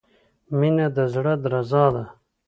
• مینه د زړۀ درزا ده.